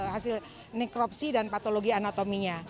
hasil nikropsi dan patologi anatominya